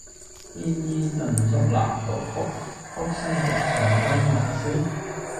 牽衣頓足攔道哭，哭聲直上干云霄！